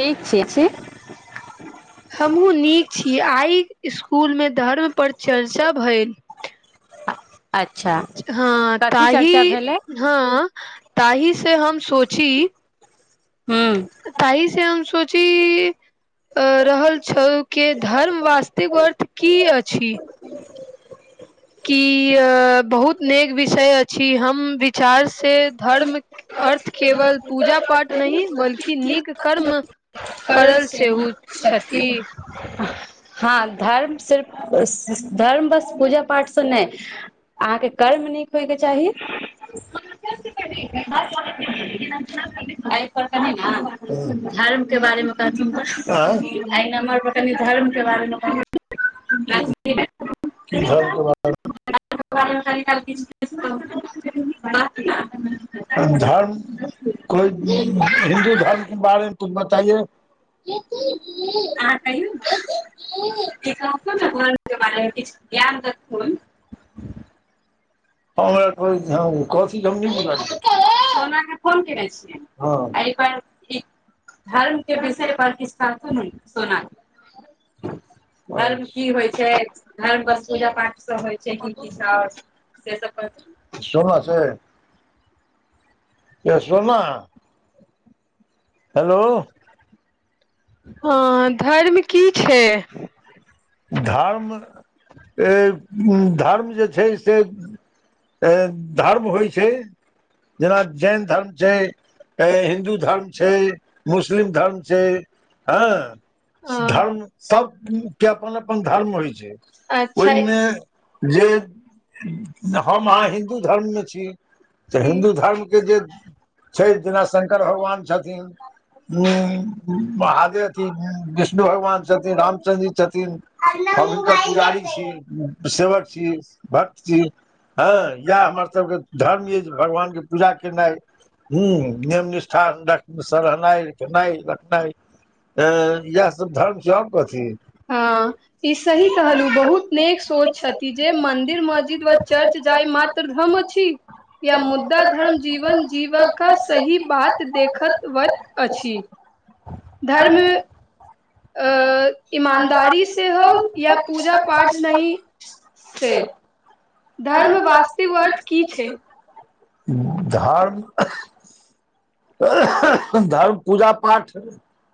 ठीक छी छी हमहूँ नीक छी आइ इसकुलमे धर्म पर चर्चा भएल अच्छा हँ कथी ताहि चर्चा भेलै हँ ताहि से हम सोची हूँ ताहि से हम सोची रहल छलौ कि धर्म वास्तिक अर्थ की अछि कि अ बहुत नेक विषय अछि हम विचार से धर्म अर्थ केवल पूजा पाठ नहि बल्कि नीक कर्म करल सेहो छथिन हँ धर्म सिर्फ धर्म बस पूजा पाठसँ नहि अहाँके कर्म नीक होइके चाही एह पर कहि न धर्मके बारेमे एय नंबर पर कनि धर्मकेँ बारेमे [unintelligible] [unintelligible] धर्म कोइ हिन्दू धर्म के बारेमे त बताइए [unintelligible] आहा कहियौ न [unintelligible] [unintelligible] सोना छै ए सोना हेलो हँ धर्म की छैक धर्म धर्म जे छैक से ए धर्म होइ छैक जेना जैन धर्म छैक हिन्दू धर्म छैक मुस्लिम धर्म छैक हँ धर्म सभ केँ अपन अपन धर्म होइत छैक ओहिमे अच्छा जे ह [inaudible] हम अहाँ हिन्दू धर्ममे छी तऽ हिन्दू धर्मकेँ जे छै जेना शंकर भगवान छथिन महादेव अथी विष्णु भगवान छथिन रामचन्द्र छथिन हम हिनकर पुजारी छी सेवक छी भक्त छी हँ इएह हमरसभकेँ धर्म अछि जे भगवानकेँ पूजा केनाइ हू नियम निष्ठासँ रहनाइ खेनाइ इएहसभ धर्म छियैक और कथि ह ई सही कहलहु बहुत नेक सोच छथि जे मन्दिर मस्जिद वा चर्च जाय मात्र धर्म अछि या मुद्दा धर्म जीवन जीवकेँ सही बात देखतबैत अछि। धर्म अ इमा [inaudible] पाठ नहि [unintelligible] धर्मक वास्तविक अर्थ की छैक धर्म धर्म पूजा पाठ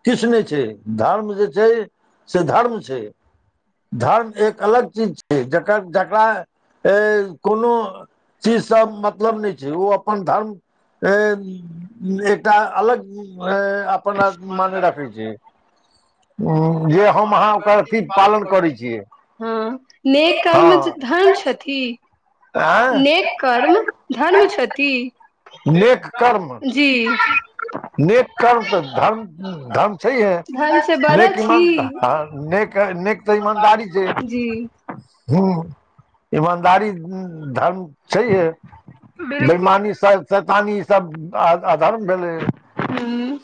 किछ नहि छैक धर्म जे छै से धर्म छैक धर्म एक अलग चीज छैक जेकर जकरा कोनो चीजसँ मतलब नहि छैक ओ अपन धर्म एकटा अलग अपना मने राखै छैक अथी पालन करै छियै हँ आँय नेक कर्म [unintelligible] नेक कर्म तऽ धर्म छईहे है धर्म से बड़ा लेकिन ह छी ने नेक तऽ ईमानदारी छैक जी ईमानदारी धर्म धर्म छैे है बिल्कुल बेमानी सब सतानी सब अधर्म भैलइ ह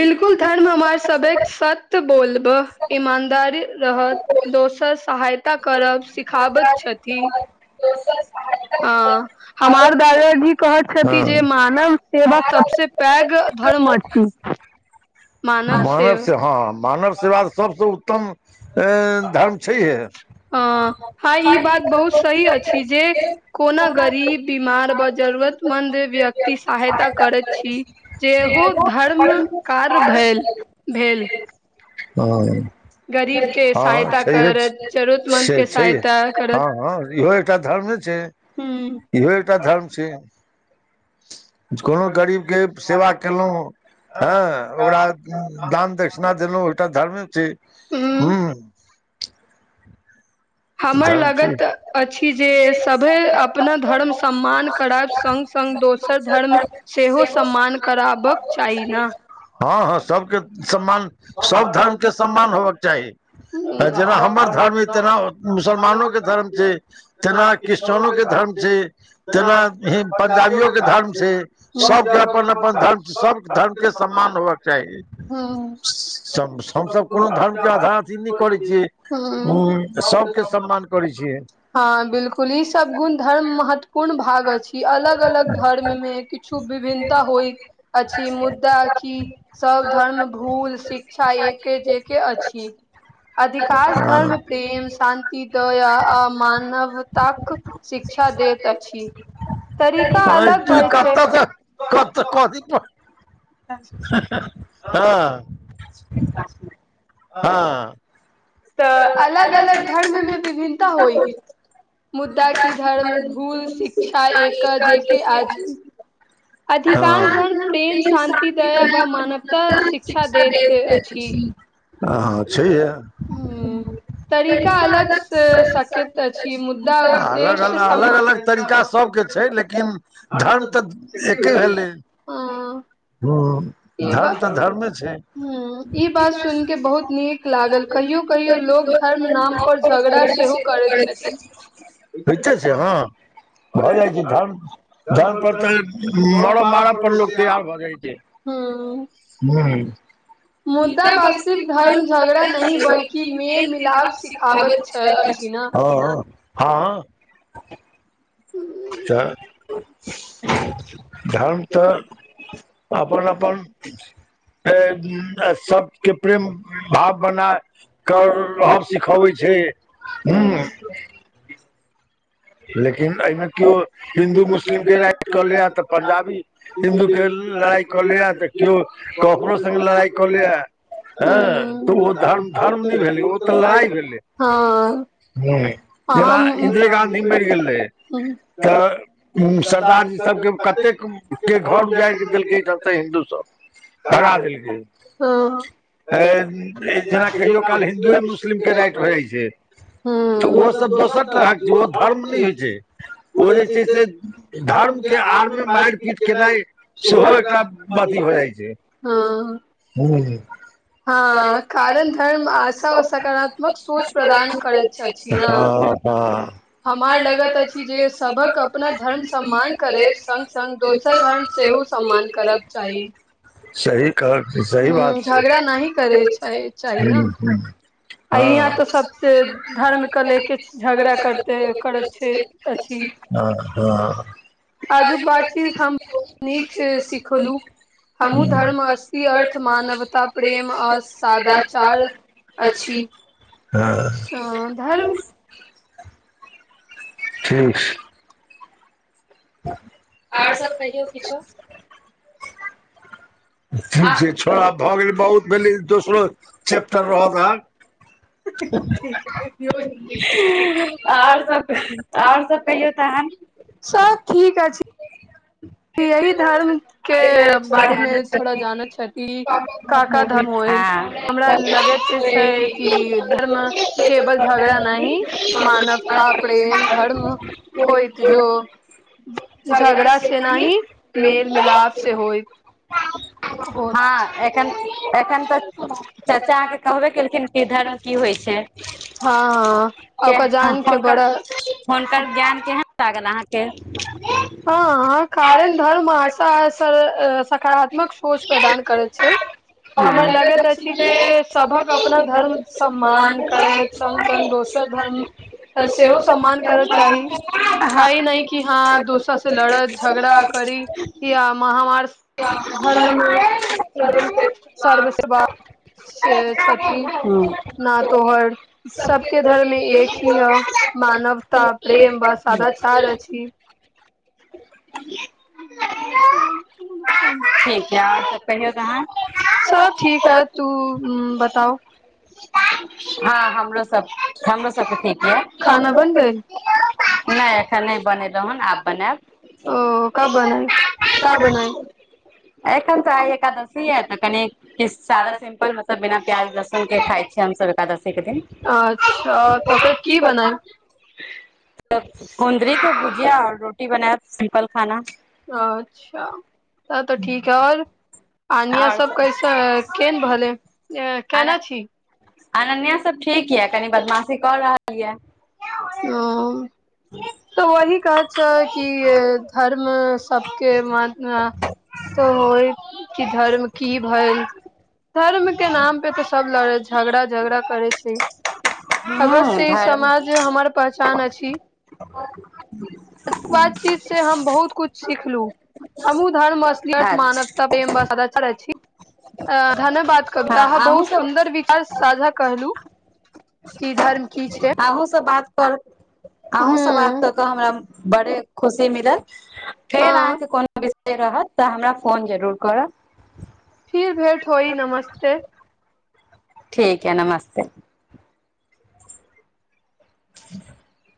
बिल्कुल धर्म हमार सबेक सत्य बोल वह ईमानदारी रहत दोसर सहाय ता करब सिखाबैत छथि हँ हमार दादाजी कहैत छथि हँ जे मानव सेवा सबसे पैघ धर्म अछि मानव से हँ मानव सेव सबसँ उ तम हँ हँ ई बात बहुत सही अछि जे कोना गरीब बीमार व जरूरतमन्द व्यक्ति सहायता करैत छी जे हो धर्म कार भय भेल हँ गरीब के हँ सहायता छैहे करत जरूरतमन्द से के छैहे सहायता करत हँ हँ इहो एकटा धर्म ने छै हूँ इहो एकटा धर्म छै कोनो गरीबके सेवा केलहुँ हँ ओकरा दान दक्षणा देलहु ओटा धर्मे छै हु हूँ हमर छी लगैत अछि जे सभ अपना धर्म सम्मान करब सङ्ग सङ्ग दोसर धर्म सेहो सम्मान कराबक चाही ना हँ हँ सबके सम्मान सब धर्मके सम्मान होबऽके चाही जेना हमर धर्म अ तेना मुसलमानो के धर्म छै तेना क्रिश्चनो के धर्म छै तेना पंजाबियो के धर्म छै सबके अपन अपन धर्म सब धर्म के सम्मान होव छै चाही सबस पूर्व धर्म कोनो धर्म के आधा अथी नहि करै हूँ हूँ छियै सब हँ बिलकुल ई सब गुण धर्म महत्व कोर्न भाग अछि अलग अलग धर्म मे किछु विभिन्नता होइ अछि मुद्दा कि सब धर्म भूल शिक्षा एके जे के अछि अधिकांश धर्म प्रेम शान्ति दया [unintelligible] तरीका अ त अलग होइ छै कता त क कथि हँ ह हँ तऽ अलग अलग धर्ममे विभिन्नता होइत मुद्दा कि धर्म भूल शिक्षा एक जेके आज अधिकांश धन प्रेम शान्ति दया व मानवता शिक्षा दैत अछि हँ हं छैहै हूँ ह तरीका अलग से अलगसँ सकैत अछि अछी मुद्दा उद्देश्य सम तरीका छै लेकिन तऽ भेलै ह अलग समान अलग तरीका सबके छै लेकिन धर्म तऽ एके भेलै हँ हं ई बात हं ई बात सुन के बहुत नीक लागल कहियो कहियो लोग धर्म नाम पर झगड़ा सेहो करैत छथि होते से हँ भऽ जाइ छै ध धर्मपर तऽ मरऽ मारब पर लोक तैयार भऽ जाइ छै हूँ हँ मुद्दा वास्तिफ धर्म झगड़ा नहि बलकी न हँ हँ [inaudible] च धर्म तऽ अपन अपन सबके प्रेम भाव बनााकऽ रहब सिखबै छै हुं हूँ लेकिन एहिमे केओ हिन्दू मुस्लिम के राइट कऽ ले ह तऽ पंजाबी हिन्दू के लड़ाई कऽ लेय तऽ केओ ककरो सङ्गे लड़ाइ कऽ ले ह हँ तऽ ओ धर्म धर्म नहि भेलै ओ तऽ लड़ाइ भेलै ह हम म नहि मरि गेलै तऽ सरदार जी सबके कतेक के घर उजारिक देलकै हिन्दू सब धरा भगा देलकै देलकै जेना कहियो काल हिन्दुए मुस्लिमकें राइट भ' छै ओसभ दोसर तरहक जे ओ धर्म नहि होइ छै ओ जे छै से धर्म के आर मे मारि पीट केनाइ सेहो एकटा अथि भ' जाइ छै हँ हँ कारण धर्म आशा आ सकारात्मक सोच प्रदान करैत अछि ने [unintelligible] हमार लगत अछि जे सभक अपना धर्म सम्मान करे संग संग दोसर धर्म सेहो सम्मान करब चाही सही कह सही ह बात छै झगड़ा नहि करे छै चाही ने ह ह आ यहाँ हँ तऽ सबसे धर्म के ले के झगड़ा करते करैत छै अछि हँ हँ आजुक बातचीत हम नीक से सिखलुं हमहुं धर्म असली अर्थ मानवता प्रेम आ सदााचार अछि हँ सं धर्म ठीक छै आओर सभ कहियौ किछो ठीक छै छोड़ा भऽ गेलै बहुत भेलै दोसरो चैप्टर रहत अहाँ आओर सब आओर सब कहियौ तहन सब ठीक अछि यही धर्म के बारेमे थोड़ा जानैत छै क का धर्म होय हमरा लगैत छै कि धर्म केवल झगड़ा नहि मानवता प्रेम धर्म होइत जो झगड़ा तेना ही मेल मिलप से होय हँ एखन एखन तऽ चर्चा अहाँके कहबे केलखिन कि धर्म की होइ छै [unintelligible] हँ हँ आ ओकरा जान के बड़ा हुनकर ज्ञान केहन लागल अहाँके [unintelligible] हँ हँ कारण धर्मा स सकारात्मक सोच प्रदान करैत छै हमर लगैत अछि जे सभक अपना धर्म सम्मान करैत सङ् सङ्ग दोसर धर्म सेहो सम्मान करय चाही त नहि कि हाँ दोसर से लड़त झगड़ा करी या महामार ह धर्म म सर्वसेवा से छथि नातोहर सबके धर्म मे एक ही ह मानवता प्रेम वा सादचार अछि [unintelligible] ठीक य आर सब [unintelligible] हँ सब ठीक है तू बताउ हमरो सब हमरो सबके ठीक यऽ खाना बन गेल नहि एखन नहि बनेलहुँ हँ आब बनायब ओ कब बनाय का बनाय एखन तऽइ एकादसी य तऽ कनि किस्त सादा सिम्पल मतलब बिना प्याज लहसुन के खाय छियै हम सब एकादशी के दिन अच्छा तकर की बनाय त [inaudible] कुन्द्री को भुजिया रोटी बनाय सिम्पल खाना आ अच्छा तब तऽ ठीक है आओर पानिय आओर सब कैसे केन भेलै अन केना छी अनन्या सब ठीक यऽ कनी बदमाशी कऽ रहल किया ओ तऽ वही कह छै कि धर्म सब के मन में तो होइ कि धर्म की भेल धर्म के नाम पे तऽ सब लड़ झगड़ा झगड़ा करे छै ह अवश्य धर्म समाज हमर पहचान अछि बातचीत से हम बहुत कुछ सिखलु हमहुँ धर्मस्य अच्छा मानवता छी धन्यवाद कवित अहाँ हँ अहूँ बहुत सब सुन्दर विचार साझा कहलू कि धर्म की छै [unintelligible] अहूँ सब बात कर अहूँ सब बात हूँ कऽ कऽ हमरा बड़े खुशी मिलल फेर हँ अहाँके कोनो रहत तऽ हमरा फोन जरूर करब फिर भेट होई नमस्ते ठीक ह नमस्ते ह